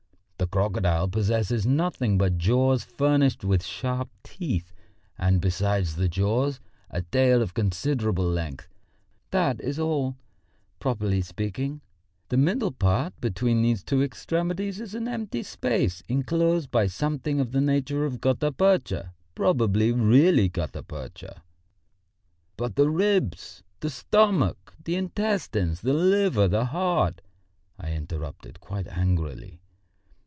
The crocodile possesses nothing but jaws furnished with sharp teeth, and besides the jaws, a tail of considerable length that is all, properly speaking. The middle part between these two extremities is an empty space enclosed by something of the nature of gutta percha, probably really gutta percha." "But the ribs, the stomach, the intestines, the liver, the heart?" I interrupted quite angrily.